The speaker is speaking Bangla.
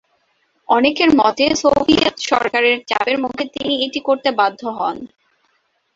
অনেকের মতে সোভিয়েত সরকারের চাপের মুখে তিনি এটি করতে বাধ্য হন।